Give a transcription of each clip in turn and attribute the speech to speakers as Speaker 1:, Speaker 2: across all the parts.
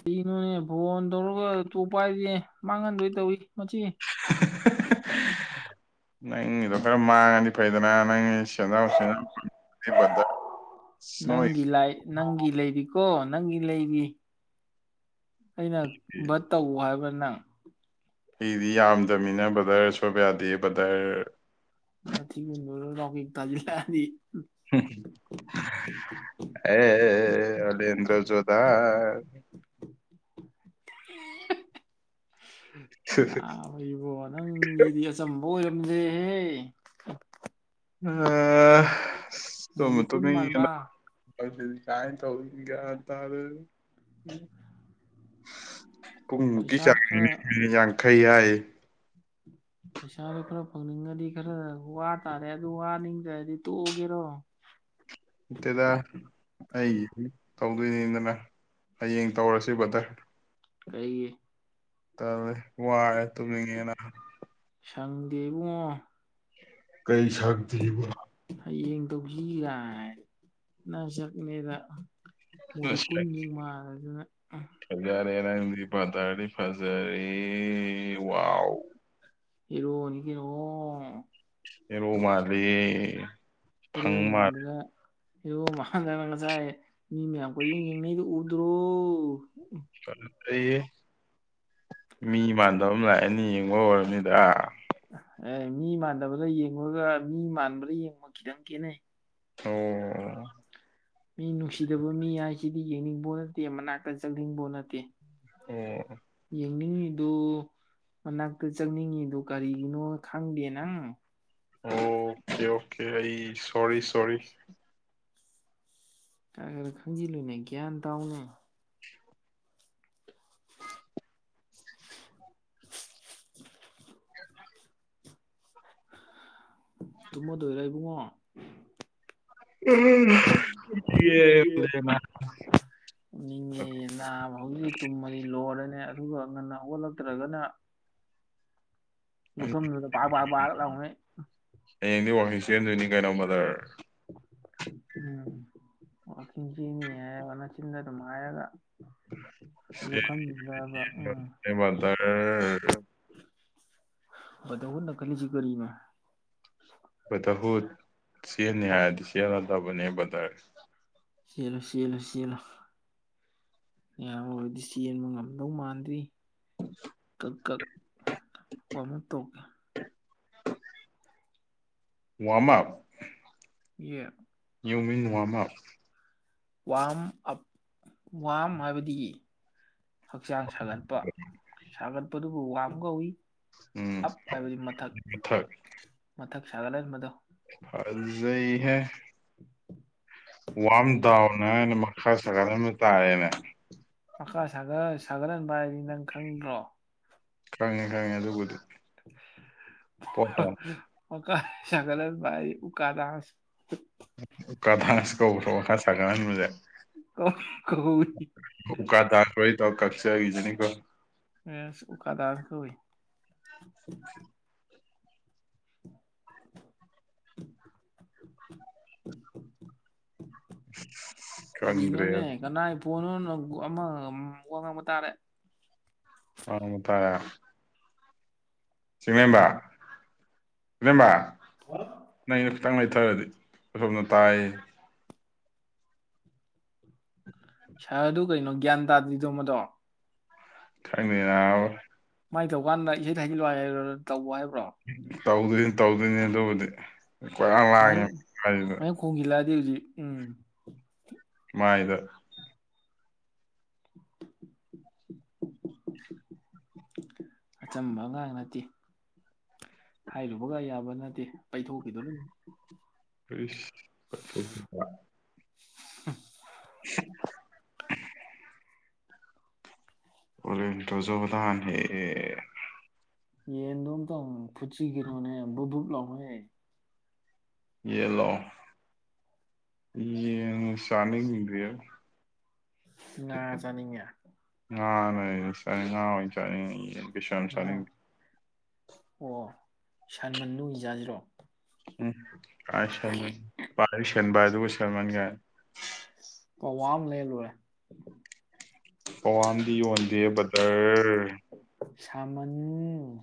Speaker 1: ꯀꯩꯅꯣꯅꯦ ꯐꯣꯟ ꯇꯧꯔꯒ ꯇꯣꯞꯄ ꯍꯥꯏꯗꯤ ꯃꯥꯡꯍꯟꯗꯣꯏ ꯇꯧꯏꯤ ꯃꯆꯦ
Speaker 2: ꯅꯪꯒꯤꯗꯣ ꯈꯔ ꯃꯥꯡꯉꯗꯤ ꯐꯩꯗꯅ ꯅꯪꯒꯤ ꯆꯗꯥꯁ ꯁꯅꯣ
Speaker 1: ꯕꯤꯂꯥꯏ ꯅꯪꯒꯤ ꯂꯩꯔꯤꯀꯣ ꯅꯪꯒꯤ ꯂꯩꯔꯤ ꯑꯩꯅ ꯕꯠ ꯇꯧ ꯍꯥꯏꯕ꯭ꯔꯥ ꯅꯪ
Speaker 2: ꯑꯩꯗꯤ ꯌꯥꯝꯗꯕꯃꯤꯅ ꯕꯗꯔ ꯁꯣꯏꯕ ꯌꯥꯗꯦ ꯕꯗꯔ
Speaker 1: ꯃ ꯀꯔꯣ ꯂ ꯇꯥꯖꯤ ꯂꯗꯤ
Speaker 2: ꯑꯦ ꯑꯂꯤ ꯏꯟꯗ꯭ꯔꯖꯣꯗꯥ
Speaker 1: ꯅ ꯑꯩꯕꯣ ꯅꯪꯒꯤꯗꯤ ꯑꯆꯝꯕ ꯑꯣꯏꯔꯝꯗꯦꯍꯦ
Speaker 2: ꯑ ꯇꯣꯃ ꯇ
Speaker 1: ꯃꯣꯂꯤꯀꯨꯟ
Speaker 2: ꯌꯦ
Speaker 1: ꯃꯥꯟꯕ
Speaker 2: ꯀꯥꯏ ꯇꯧꯒꯦ ꯇꯥꯔꯦ ꯄꯨꯡꯃꯨꯛꯀꯤ
Speaker 1: ꯄꯩꯁꯥ ꯈꯔ
Speaker 2: ꯆꯥꯡꯅꯤ ꯌꯥꯡꯈꯩ ꯍꯥꯏꯌꯦ
Speaker 1: ꯄꯩꯁꯥꯗꯨꯣ ꯈꯔ ꯐꯪꯅꯤꯡꯉꯗꯤ ꯈꯔ ꯋꯥ ꯇꯥꯔꯦ ꯑꯗꯨ ꯋꯥꯅꯤꯡꯗ꯭ꯔꯗꯤ ꯇꯣꯛꯑꯒꯦꯔꯣ
Speaker 2: ꯏꯇꯦꯗ ꯑꯩꯒꯤ ꯇꯧꯗꯣꯏꯅꯤꯗꯅ ꯍꯌꯦꯡ ꯇꯧꯔꯁꯤ ꯕꯇꯔ
Speaker 1: ꯀꯩꯦ
Speaker 2: ꯇꯧꯦ ꯋꯥꯔꯦ ꯇꯨꯝꯅꯤꯡꯉꯦꯅꯍ
Speaker 1: ꯁꯪꯗꯦ ꯏꯕꯨꯡꯉꯣ
Speaker 2: ꯀꯩꯁꯒꯇ ꯂꯤꯕ
Speaker 1: ꯍꯌꯦꯡ ꯇꯧꯁꯤꯒꯥꯏ ꯅ ꯁꯛꯅꯦꯗ
Speaker 2: ꯑꯁ
Speaker 1: ꯃꯣꯂꯤꯀꯨꯟꯁꯤꯡ ꯃꯥꯔꯗꯨꯅ
Speaker 2: ꯐꯖꯔꯦ ꯅꯪꯗꯤ ꯐꯊꯗꯤ ꯐꯖꯔꯦ ꯋꯥꯎ
Speaker 1: ꯍꯔꯣ ꯅ ꯑꯣ
Speaker 2: ꯑꯦꯔ ꯃꯥꯗꯤ
Speaker 1: ꯏꯃꯗꯂ ꯍꯣ ꯃꯈꯥꯟꯗꯥꯅ ꯉꯁꯥꯏ ꯃꯤ ꯃꯌꯥꯝ ꯀ ꯌꯦ ꯌꯦꯡꯅꯩꯗꯨꯣ ꯎꯗ꯭ꯔꯣ
Speaker 2: ꯃꯤ ꯃꯥꯟꯗ ꯑꯃ ꯂꯥꯛꯑꯅꯤ ꯌꯦꯡꯉꯣ ꯑꯣꯏꯔꯅꯤꯗ
Speaker 1: ꯑꯦ ꯃꯤ ꯃꯥꯟꯗꯕꯗ ꯌꯦꯡꯉꯒ ꯃꯤ ꯃꯥꯟꯕꯗ ꯌꯦꯡꯕ ꯈꯤꯇꯪ ꯈꯦꯠꯅꯩ
Speaker 2: ꯊ
Speaker 1: ꯃꯤ ꯅꯨꯡꯁꯤꯗꯕ ꯃꯤ ꯍꯥꯏꯁꯤꯗꯤ ꯌꯦꯡꯅꯤꯡꯕ ꯅꯠꯇꯦ ꯃꯅꯥꯛꯇ ꯆꯠꯅꯤꯡꯕ ꯅꯠꯇꯦ
Speaker 2: ꯑꯣ
Speaker 1: ꯌꯦꯡꯅꯤꯡꯉꯤꯗꯨꯣ ꯃꯅꯥꯛꯇ ꯆꯪꯅꯤꯡꯉꯤꯗꯨ ꯀꯔꯤꯒꯤꯅꯣ ꯈꯪꯗꯦ ꯅꯪ
Speaker 2: ꯑꯣꯀꯦ ꯑꯣꯀꯦ ꯑꯩ ꯁꯣꯔꯤ ꯁꯣꯔꯤ
Speaker 1: ꯈꯔ ꯈꯔ ꯈꯪꯖꯤꯜꯂꯨꯅꯦ ꯒ꯭ꯌꯥꯟ ꯇꯧꯅꯦ ꯇꯨꯝꯃꯗꯣꯏꯔ ꯏꯕꯨꯡꯉꯣ
Speaker 2: ꯎꯝꯦ
Speaker 1: [unintelligible] ꯎ ꯅꯤꯡꯉꯦ ꯅꯥꯕ ꯍꯧꯖꯤꯛꯇꯤꯛ ꯇꯨꯝꯃꯗꯤ ꯂꯣꯏꯔꯅꯦ ꯑꯗꯨꯒ ꯉꯟꯅ ꯍꯧꯒꯠꯂꯛꯇ꯭ꯔꯒꯅ ꯂꯨꯔ ꯂꯅꯦ
Speaker 2: ꯍꯌꯦꯡꯗꯤ ꯋꯥꯀꯤꯡ ꯆꯦꯟꯗꯣꯏꯅꯤ ꯀꯩꯅꯣ ꯃꯗꯔ
Speaker 1: ꯎꯝ ꯋꯥꯖꯤꯅꯤ ꯍꯥꯏꯕ ꯅ ꯆꯤꯟꯗꯥ ꯇꯃꯑꯒ
Speaker 2: ꯆꯦꯜꯂꯦ
Speaker 1: ꯂꯨꯞꯈꯟꯕꯤꯗꯕ ꯎꯝ
Speaker 2: ꯕ꯭ꯔꯗꯔ
Speaker 1: ꯑꯊ ꯅ ꯈꯂꯤꯁꯤ ꯀꯔꯤ ꯃ
Speaker 2: ꯇꯔ ꯍꯨ ꯆꯦꯅꯤ ꯍꯥꯏꯔꯗꯤ ꯆꯦꯜꯟꯅꯗꯕꯅꯦ ꯕꯇꯔ
Speaker 1: ꯆꯦꯜꯂꯨ ꯆꯦꯜꯂꯨ ꯆꯦꯜꯂꯨ ꯑꯌꯥꯝ ꯑꯣꯏꯕꯗꯤ ꯆꯦꯟꯕ ꯉꯝꯗꯧ ꯃꯥꯟꯗ꯭ꯔꯤ
Speaker 2: ꯎ
Speaker 1: ꯇ ꯀꯛ ꯀꯣꯏꯅ ꯇꯧꯀꯦ
Speaker 2: [unintelligible] warm-up
Speaker 1: [unintelligible]
Speaker 2: ꯌꯨꯃꯤꯟ warm up
Speaker 1: warm up warm ꯍꯥꯏꯕꯗꯤ ꯍꯛꯆꯥꯡ ꯁꯥꯒꯠꯄ ꯁꯥꯒꯠꯄꯗꯨꯕꯨ ꯋꯥꯝ ꯀꯧꯋꯤ
Speaker 2: ꯎꯝ
Speaker 1: ꯑꯞ ꯍꯥꯏꯕꯗꯤ ꯃꯊꯛ ꯃꯊꯛ ꯁꯥꯒꯠ ꯍꯟꯕꯗꯣ
Speaker 2: ꯑꯖꯩ ꯍꯦ
Speaker 1: [inaudible]
Speaker 2: ꯋꯥꯔꯝ ꯗꯥꯎꯟ ꯍꯥꯏꯅ ꯃꯈꯥ ꯁꯥꯒꯠ ꯍꯟꯕ ꯇꯥꯔꯦꯅꯦ
Speaker 1: ꯃꯈꯥ ꯁꯥꯒꯠꯍꯟꯕ ꯍꯥꯏꯗꯤ ꯅꯪ ꯈꯪꯗ꯭ꯔꯣ
Speaker 2: ꯈꯪꯉꯦ ꯈꯪꯉꯦ ꯑꯗꯨꯕꯨꯗꯤ ꯄꯣꯠꯇꯣ
Speaker 1: [unintelligible] ꯃꯈꯥ [unintelligible] ꯁꯥꯒꯠꯍꯟꯕ ꯍꯥꯏꯗꯤ ꯎꯀꯥ [unintelligible]
Speaker 2: ꯑꯣꯀꯥ ꯗꯥꯅꯁ ꯀꯧꯕ꯭ꯔꯣ ꯃꯈꯥ ꯁꯥꯒꯠ ꯍꯟꯕꯁꯦ
Speaker 1: ꯀꯧ [unintelligible]
Speaker 2: ꯎꯀꯥ ꯗꯥꯥꯁ ꯋꯥꯔꯤ ꯇꯧꯔ ꯀꯛꯆꯖꯅꯤ ꯀꯣ
Speaker 1: [unintelligible] ꯎꯀꯥꯗꯥꯁ ꯀꯧꯋꯤ [inaudible]
Speaker 2: ꯈꯪꯗ꯭ꯔꯦ
Speaker 1: ꯀꯔꯤꯅꯣꯅꯦ ꯀꯅꯥ ꯐꯣꯟ [unintelligible] ꯑꯃ ꯋꯥꯉꯥꯡꯕ ꯇꯥꯔꯦ
Speaker 2: [unintelligible] ꯆꯤꯡꯂꯦꯝꯕ ꯆꯤꯡꯂꯦꯝꯕ ꯍꯥꯎ ꯅꯩ ꯈꯤꯇꯪ ꯂꯩꯊꯔꯗꯤ ꯑꯁꯣꯝꯗ ꯇꯥꯏꯌꯦ
Speaker 1: ꯁꯥꯔ ꯑꯗꯨ ꯀꯩꯅꯣ ꯒ꯭ꯌꯥꯟ ꯇꯥꯗ꯭ꯔꯤꯗꯣ ꯃꯗꯣ
Speaker 2: ꯈꯪꯗꯦ ꯅꯥꯕ
Speaker 1: ꯃꯥꯏ ꯇꯧꯀꯥꯟꯗ ꯏꯁꯩ [unintelligible] ꯇꯧ ꯍꯥꯏꯕ꯭ꯔꯣ
Speaker 2: ꯇꯧꯗꯣꯏꯅꯤ ꯇꯧꯗꯣꯏꯅꯦ ꯑꯗꯨꯕꯨꯗꯤ [unintelligible] ꯃꯥꯏꯗꯨꯗ
Speaker 1: [unintelligible] ꯈꯣꯡꯖꯤꯜꯂꯛꯑꯗꯤ ꯍꯧꯖꯤꯛ ꯎꯝ
Speaker 2: ꯃꯥꯏꯗ
Speaker 1: ꯑꯆꯝꯕ ꯑꯉꯥꯡ ꯅꯠꯇꯦ ꯍꯥꯏꯔꯨꯕꯒ ꯌꯥꯕ ꯅꯠꯇꯦ ꯄꯩꯊꯣꯛꯈꯤꯗꯣꯔꯤꯝ
Speaker 2: [unintelligible] ꯎ [unintelligible] [unintelligible]
Speaker 1: ꯌꯦꯟꯗꯣ ꯑꯝꯇꯪ ꯐꯨꯠꯁꯤ ꯀꯩꯅꯣꯅꯦ ꯕꯨꯛ ꯕꯨꯛ ꯂꯥꯎꯃꯩ
Speaker 2: ꯌꯦꯟꯂꯣ ꯌꯦꯟꯕꯨ ꯆꯥꯅꯤꯡꯗ꯭ꯔꯦꯗ
Speaker 1: ꯉꯥ ꯆꯅꯤꯡꯉꯦ
Speaker 2: ꯉꯥꯅ ꯍꯦꯟꯅ ꯆꯥꯅꯤꯡꯉꯦ ꯉꯥ ꯑꯣꯏ ꯆꯥꯅꯤꯡꯉꯦ ꯌꯦꯟ ꯀꯩꯁꯨ ꯌꯥꯝ
Speaker 1: ꯉꯥ
Speaker 2: ꯆꯥꯅꯤꯡꯗꯦ
Speaker 1: ꯑꯣ ꯁꯟ ꯉꯅꯨ ꯑꯣꯏꯅ ꯆꯥꯁꯤꯔꯣ
Speaker 2: [unintelligible]
Speaker 1: ꯄꯋꯥ ꯑꯃ ꯂꯩꯔ ꯂꯣꯏꯔꯦ
Speaker 2: ꯄꯧꯋꯥ ꯑꯃꯗꯤ ꯌꯣꯟꯗꯦ ꯕꯗꯔ
Speaker 1: ꯁꯥꯃꯟ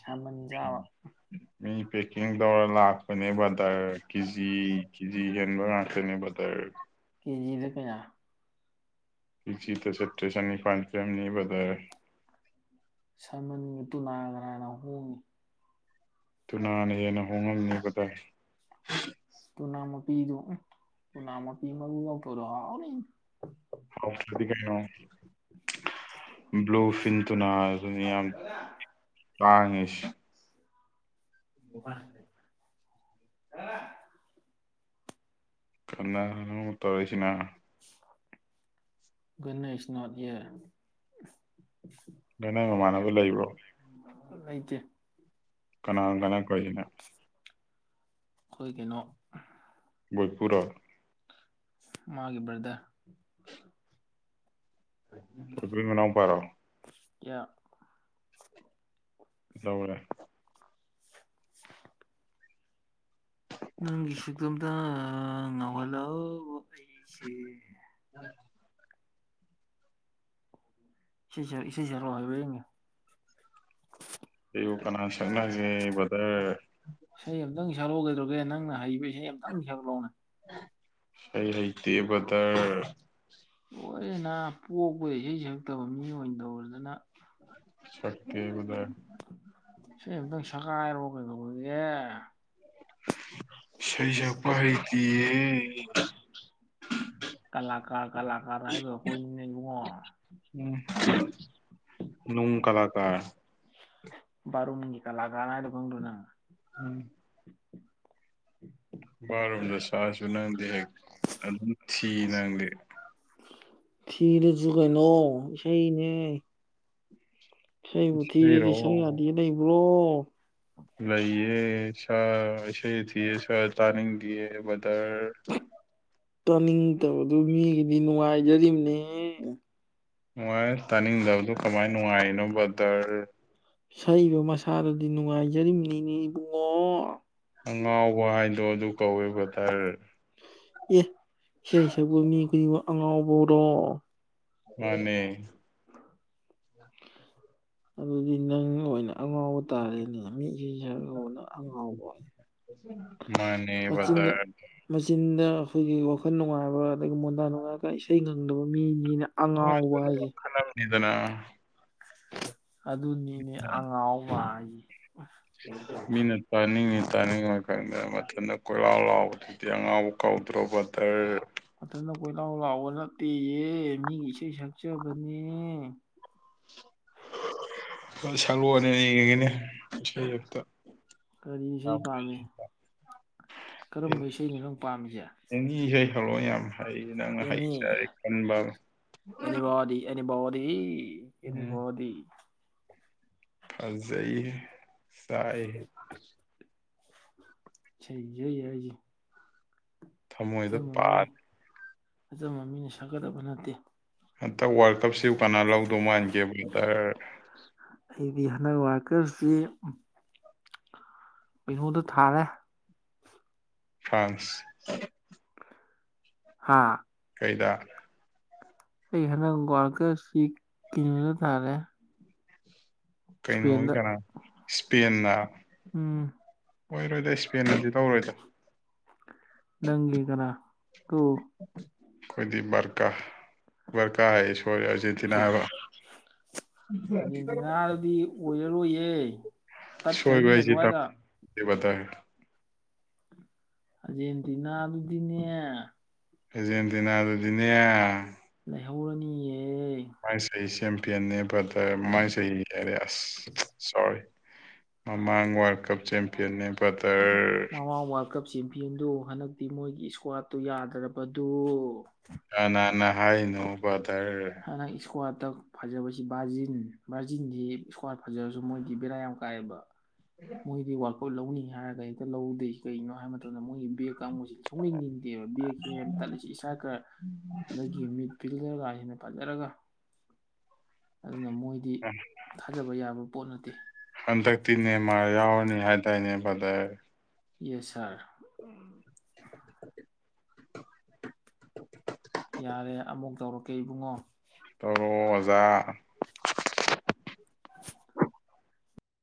Speaker 1: ꯁꯥꯃꯟ ꯆꯥꯕ
Speaker 2: ꯃꯤ ꯄꯦꯛꯀꯤꯡ ꯇꯧꯔ ꯂꯥꯛꯄꯅꯦ ꯕꯗꯔ ꯀꯤꯖꯤ ꯀꯤꯖꯤ ꯍꯦꯟꯕ ꯉꯥꯛꯇꯅꯦ ꯕꯗꯔ
Speaker 1: ꯀꯦꯖꯤꯗ ꯀꯌꯥ
Speaker 2: ꯀꯦꯖꯤꯗ ꯆꯠꯇ꯭ꯔꯦꯠ ꯆꯥꯅꯤꯄꯥꯥꯟ ꯄꯤꯔꯝꯅꯤ ꯕꯗꯔ
Speaker 1: ꯁꯥꯜꯃꯟꯒ ꯇꯨꯅꯥꯒ ꯀꯅꯥꯅ ꯍꯣꯡꯉꯤ
Speaker 2: ꯇꯨꯅꯥꯅ ꯍꯦꯟꯅ ꯍꯣꯡꯉꯝꯅꯤ ꯕꯗꯔ
Speaker 1: ꯑꯁ ꯇꯨꯅꯥ ꯃꯄꯤꯗꯨ ꯎꯝ ꯇꯨꯅꯥ ꯃꯄꯤ ꯃꯔꯨ ꯌꯥꯎꯗꯕꯗꯣ ꯍꯥꯎꯅꯤ
Speaker 2: ꯍꯥꯎꯇꯔꯥꯗꯤ ꯀꯩꯅꯣ ꯕ꯭ꯂꯨ ꯐꯤꯟ ꯇꯨꯅ ꯑꯗꯨꯅꯤ ꯌꯥꯝ ꯇꯥꯡꯉꯦꯁꯦ [unintelligible]
Speaker 1: [unintelligible]
Speaker 2: ꯀꯟꯅꯅꯣ ꯑꯃꯨꯛ ꯇꯧꯔꯛꯏꯁꯤꯅꯥ
Speaker 1: ꯒꯨꯗ ꯅ ꯏꯁ ꯅꯣꯠ ꯏꯌꯔ
Speaker 2: ꯅꯪ ꯅꯃꯟꯅꯕ ꯂꯩꯕꯔꯣ꯫
Speaker 1: ꯂꯩꯇꯦ
Speaker 2: [unintelligible]
Speaker 1: ꯈꯣꯏ ꯀꯩꯅꯣ
Speaker 2: ꯕꯣꯏꯄꯨꯔꯣ
Speaker 1: ꯃꯥꯒꯤ ꯕꯔꯗꯔ
Speaker 2: ꯕꯣꯏꯄꯨꯏ ꯃꯅꯥꯎꯄꯥꯔꯣ
Speaker 1: ꯌꯥ
Speaker 2: ꯂꯧꯔꯦ꯫
Speaker 1: [inaudible] ꯅꯪꯒꯤ ꯁꯨꯛꯇꯝꯇ ꯉꯥꯎꯍꯠꯂꯕ ꯑꯩꯁꯦ꯫
Speaker 2: [unintelligible]
Speaker 1: ꯏꯁꯩꯁꯥꯛ ꯏꯁꯩꯁꯥꯛꯂꯥꯛꯑꫭ ꯍꯩꯕꯔ ꯌꯦꯡꯒꯦ꯫
Speaker 2: [unintelligible] ꯀꯅꯥ ꯁꯥꯛꯅꯒꯦ ꯕꯗ‍꯭ꯔ
Speaker 1: ꯏꯁꯩ ꯑꯃꯝꯇꯪ ꯁꯥꯛꯂꯥꯛꯑꫭ ꯀꯩꯗꯧꯔꯒꯦ ꯅꯪꯅ ꯍꯩꯕ ꯏꯁꯩ ꯑꯃꯇꯪ ꯁꯥꯛꯂꯥꯛꯑꫭꯅ
Speaker 2: ꯏꯁꯩ ꯍꯩꯇꯦ ꯕꯗ꯭ꯔ
Speaker 1: ꯂꯣꯏꯅꯔ ꯅ ꯄꯣꯛꯄꯗ ꯏꯁꯩ ꯁꯛꯇꯕ ꯃꯤ ꯑꯣꯏꯅ ꯇꯧꯔꯗꯅ꯫
Speaker 2: ꯁꯥꯛꯀꯦ ꯕꯗ꯭ꯔ
Speaker 1: ꯏꯁꯩ ꯑꯝꯇꯪ ꯁꯥꯛꯀꯥꯏꯔꯛꯑꫭ ꯀꯩꯗꯧꯔꯒꯦ ꯫
Speaker 2: ꯏꯁꯩ ꯁꯥꯛꯄ ꯍꯩꯇꯤꯌꯦ꯫
Speaker 1: ꯀꯂꯀꯥꯔ ꯀꯂꯀꯥꯔ ꯍꯥꯏꯕ ꯍꯣꯏꯅꯤꯅꯦ ꯏꯕꯨꯡꯉꯣ꯫
Speaker 2: ꯎꯝ ꯅꯣꯡ ꯀꯂꯀꯥꯔ
Speaker 1: ꯕꯥꯠ-ꯔꯨꯝꯒꯤ ꯀꯂꯀꯥꯔ ꯍꯥꯏꯗꫭ ꯈꯪꯗꯔꯦ ꯅꯪ
Speaker 2: ꯈꯪꯏ꯫ ꯕꯥꯠ-ꯔꯨꯝꯗ ꯁꯥꯛꯑꯁꯨ ꯅꯪꯗꯤ ꯍꯦꯛ ꯑꯗꯨꯝ ꯊꯤ ꯅꯪꯗꯤ꯫
Speaker 1: ꯊꯤꯔꯖꯨ ꯀꯩꯅꯣ ꯏꯁꯩꯅꯦ꯫ ꯏꯁꯩꯕꯨ ꯊꯤꯔꯗꯤ
Speaker 2: ꯏꯁꯩꯔꯣ
Speaker 1: ꯁꯥꯛ ꯌꯥꯗꯦ ꯂꯩꯕ꯭ꯔꯣ ꯫
Speaker 2: ꯂꯩꯌꯦ ꯁꯥ ꯏꯁꯩ ꯊꯤꯌꯦ ꯁꯥꯛ ꯇꯥꯅꯤꯡꯗꯤꯑꯦ ꯕꯗ꯭ꯔ
Speaker 1: ꯇꯥꯅꯤꯡꯗꯕꯗꯨ ꯃꯤꯒꯤꯗꯤ ꯅꯨꯡꯉꯥꯏꯖꯔꯤꯝꯅꯦ ꯫
Speaker 2: ꯅꯨꯡꯉꯥꯏ ꯇꯥꯅꯤꯡꯗꯕꯗꯣ ꯀꯃꯥꯏꯅ ꯅꯨꯡꯉꯥꯏꯔꯤꯅꯣ ꯕꯗ꯭ꯔ
Speaker 1: ꯏꯁꯩꯗꫭ ꯃꯁꯥꯗꯥꯗꯤ ꯅꯨꯡꯉꯥꯏꯖꯔꯤꯝꯅꯤꯅꯦ ꯏꯕꯨꯡꯉꯣ꯫
Speaker 2: ꯑꯉꯥꯎꯕ ꯍꯥꯏꯗꯣ ꯑꯗꯨ ꯀꯧꯋꯦ ꯕꯗ꯭ꯔ
Speaker 1: ꯑꯦ ꯏꯁꯩ ꯁꯥꯛꯄ ꯃꯤ ꯈꯨꯗꯤꯡꯃꯛ ꯑꯉꯥꯎꯕꯔꫭ꯫
Speaker 2: ꯃꯥꯅꯦ꯫
Speaker 1: ꯑꯗꯨꯗꯤ ꯅꯪ ꯑꯣꯏꯅ ꯑꯉꯥꯎꯕ ꯇꯥꯔꯦꯅꯦ ꯃꯤ ꯏꯁꯩ ꯁꯥꯛꯑꯒꯕꯨ ꯑꯉꯥꯎꯕ
Speaker 2: ꯃꯥꯅꯦ ꯕꯗ꯭ꯔ
Speaker 1: ꯃꯆꯤꯟꯗ ꯃꯆꯤꯟꯗ ꯑꯩꯈꯣꯏꯒꯤ ꯋꯥꯈꯜ ꯅꯨꯡꯉꯥꯏꯕ ꯑꯗꯒꯤ ꯃꯣꯟꯗꯥ ꯅꯨꯡꯉꯥꯏꯔꯒ ꯏꯁꯩ ꯉꯪꯗꯕ ꯃꯤꯅꯤꯅ
Speaker 2: ꯍꫭꯏ
Speaker 1: ꯑꯉꯥꯎꯕ
Speaker 2: ꯑꯗꯨꯅ
Speaker 1: ꯍꯥꯏꯁꯦ
Speaker 2: ꯈꯥꯟꯅꯕꯅꯤꯗꯅ
Speaker 1: ꯑꯗꯨꯅꯤꯅꯦ ꯑꯉꯥꯎꯕ ꯍꯥꯏꯁꯦ ꯫
Speaker 2: ꯃꯤꯅ ꯇꯥꯅꯤꯡꯉꯤ ꯇꯥꯅꯤꯡꯉꫭꯏ ꯈꯪꯗꯅ ꯃꯊꯟꯗ ꯀꯣꯏꯂꯥꯎ ꯂꯥꯎꯕ ꯗꯤꯑꯉꯥꯎꯕ ꯀꯧꯗ꯭ꯔꯣ ꯕꯗ꯭ꯔ
Speaker 1: ꯃꯊꯟꯇ ꯀꯣꯏꯂꯥꯎ ꯂꯥꯎꯕ ꯅꯠꯇꯦꯌꯦ ꯃꯤꯒꯤ ꯏꯁꯩ ꯁꯥꯛꯆꯕꯅꯦ꯫
Speaker 2: [unintelligible] ꯁꯥꯛꯂꯛꯑꯦꯅꯦ ꯌꯦꯡꯉꯒꯦꯅꯦ ꯏꯁꯩ ꯑꯝꯇ꯫
Speaker 1: ꯀꯔꯤ
Speaker 2: ꯌꯥꯝ
Speaker 1: ꯏꯁꯩ ꯄꯥꯝꯃꯤ ꯫
Speaker 2: ꯍꯩ,
Speaker 1: ꯀꯔꯝꯕ ꯏꯁꯩꯩꯅꯣ ꯅꯪ ꯄꯥꯝꯃꯤꯁꯦ꯫
Speaker 2: [unintelligible] ꯏꯁꯩ ꯁꯥꯛꯂꯛꯑꯣ ꯌꯥꯝ ꯍꯩꯌꯦ ꯅꯪ
Speaker 1: ꯑꯦꯅꯤ
Speaker 2: ꯍꯩꯖꯔꯦ ꯈꯟꯕ ꯑꯃ
Speaker 1: ꯑꯦꯅꯤꯕꯣꯗꯤ ꯑꯦꯅꯤꯕꯣꯗꯤ
Speaker 2: ꯎꯝ
Speaker 1: ꯑꯦꯅꯤꯕꯣꯗꯤ ꯫
Speaker 2: ꯐꯖꯩꯍꯦ ꯆꯥꯛꯏꯍꯦ‌꯫
Speaker 1: ꯏꯁꯩ ꯏꯁꯩ ꯍꯥꯏꯖꯦ꯫
Speaker 2: ꯊꯃꯣꯏꯗ
Speaker 1: ꯑꯆꯝꯕ ꯃꯤ
Speaker 2: ꯄꯥꯜꯂꯦ
Speaker 1: ꯑꯆꯝꯕ ꯃꯤꯅ ꯁꯛꯀꯗꯕ ꯅꯠꯇꯦ
Speaker 2: ꯍꯟꯇꯛ ꯋꯥ꯭ꯔꯜ ꯀꯞꯁꯤ ꯀꯅꯥ ꯂꯧꯗꯧ ꯃꯥꯟꯒꯦ ꯕꯗ꯭ꯔ꯫
Speaker 1: ꯑꯩꯗꯤ ꯍꯟꯗꯛ ꯋꯥ꯭ꯔꯜ ꯀꯞꯁꯤ ꯀꯩꯅꫭꯗ ꯊꯥꯔꯦ꯫
Speaker 2: ꯐ꯭ꯔꯥꯟꯁ
Speaker 1: ꯍꯥꯥ
Speaker 2: ꯀꯩꯗ
Speaker 1: ꯑꯩ ꯍꯟꯗꯛ ꯋꯥ꯭ꯔꯜ ꯀꯞꯁꯤ ꯀꯩꯅꯣꯗ ꯇꯥꯔꯦ
Speaker 2: ꯀꯩꯅꯣ ꯀꯅꯥ ꯏꯁꯄꯦꯟꯅ
Speaker 1: ꯎꯝ
Speaker 2: ꯑꯣꯏꯔꯣꯏꯗ ꯏꯁꯄꯦꯟꯅꯗꯤ ꯂꯧꯔꯣꯏꯗ
Speaker 1: ꯅꯪꯒꯤ ꯀꯅꯥ ꯇꯨ
Speaker 2: ꯑꯈꯣꯏꯗꯤ ꯕꯥꯔꯀꯥ ꯕꯔꯀꯥꯑ‌ꯌ‌ꯦ ꯁꯣꯏꯔꯦ ꯑꯥꯔꯖꯦꯟꯇꯤꯅꯥ ꯍꯥꯏꯕ
Speaker 1: ꯑꯥꯔꯖꯦꯟꯇꯤꯅꯥꯅꯗꯤ ꯑꯣꯏꯔꯔꯣꯏꯌꯦ
Speaker 2: ꯁꯣꯏꯕ
Speaker 1: ꯇꯠꯈ꯭ꯔꯅꯤ
Speaker 2: ꯍꯥꯏꯁꯦ
Speaker 1: ꯑꯁ꯭ꯋꯥꯏꯗ
Speaker 2: ꯇꯝꯗꯦ [unintelligible]
Speaker 1: ꯑꯥꯔꯖꯦꯟꯇꯤꯅꯥꯗꯨꯗꯤꯅꯦ
Speaker 2: ꯑꯔꯖꯦꯟꯇꯤꯅꯥꯗꯨꯗꯤꯅꯦ
Speaker 1: ꯂꯩꯍꯧꯔꯅꯤꯌꯦ
Speaker 2: ꯃꯃꯥꯡ ꯆꯍꯤ ꯆꯦꯝꯄꯤꯌꯟꯅꯦ ꯕꯔꯗꯔ ꯃꯃꯥꯡ ꯆꯍꯤ ꯍꯥꯏꯔꯦ ꯑꯁ ꯁꯣꯔꯤ ꯃꯃꯥꯡ ꯋꯥꯜꯀꯞ ꯆꯦꯝꯄꯤꯌꯟꯅꯦ ꯕꯗꯔ
Speaker 1: ꯃꯃꯥꯡ ꯋꯥꯔꯜ ꯀꯞ ꯆꯦꯝꯄꯤꯌꯟꯗꯨ ꯍꯟꯗꯛꯇꯤ ꯃꯣꯏꯒꯤ ꯏꯁꯀ꯭ꯋꯥꯠꯇꯨ ꯌꯥꯗꯕꯗꯨ
Speaker 2: ꯀꯥꯅꯥꯅ ꯍꯥꯏꯅꯣ ꯕꯔꯗꯔ
Speaker 1: ꯅꯩꯅ [unintelligible] ꯏꯁꯀ꯭ꯋꯥꯠꯇ ꯐꯖꯕꯁꯤ ꯕꯥꯔꯖꯤꯟ ꯕꯥꯔꯖꯤꯟꯂꯤ ꯏꯁꯀ꯭ꯋꯥꯠ ꯐꯖꯔꯁꯨ ꯃꯣꯏꯗꯤ ꯕꯦꯔꯥ ꯌꯥꯝ ꯀꯥꯏꯑꯦꯕ ꯃꯣꯏꯗꯤ ꯋꯥꯔꯀꯞ ꯂꯧꯅꯤ ꯍꯥꯏꯔꯒ ꯍꯦꯛꯇ ꯂꯧꯗꯦ ꯀꯔꯤꯒꯤꯅꯣ ꯍꯥꯏꯕ ꯃꯇꯝꯗ ꯃꯣꯏꯒꯤ ꯕꯦꯚ [unintelligible] ꯇꯠꯂꯤꯁꯤ [unintelligible] ꯐꯖꯔꯒ ꯑꯗꯨꯅ ꯃꯣꯏꯗꯤ ꯊꯥꯖꯕ ꯌꯥꯕ ꯄꯣꯠ ꯅꯠꯇꯦ
Speaker 2: ꯍꯟꯗꯛꯇꯤ ꯅꯦꯃꯥꯔ ꯌꯥꯎꯔꯅꯤ ꯍꯥꯏꯗꯥꯏꯅꯦ ꯕꯗꯔ
Speaker 1: ꯌꯦꯁ ꯁꯥꯔ
Speaker 2: [unintelligible]
Speaker 1: ꯌꯥꯔꯦ ꯑꯃꯨꯛ ꯇꯧꯔꯛꯀꯦ ꯏꯕꯨꯡꯉꯣ
Speaker 2: ꯇꯧꯔꯛꯑꯣ ꯑꯣꯖꯥ